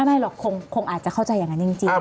ไม่หรอกคงอาจจะเข้าใจอย่างนั้นจริง